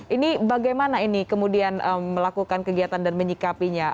ini bagaimana ini kemudian melakukan kegiatan dan menyikapinya